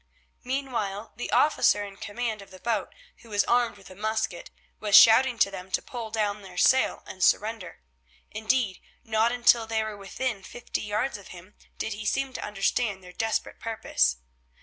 Meanwhile the officer in command of the boat, who was armed with a musket, was shouting to them to pull down their sail and surrender; indeed, not until they were within fifty yards of him did he seem to understand their desperate purpose.